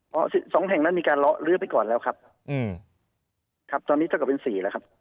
ทั้งแห่งนั้นมีการลื้อไปก่อนแล้วครับครับตอนนี้เท่ากับเป็น๔แล้วครับ